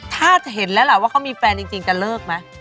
ถ้าเห็นแล้วล่ะว่าเขามีแฟนจริงจะเลิกไหม